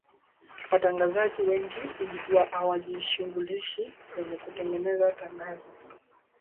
watangazaji wengi hawajishughulishi kwenye kutengeza tangazo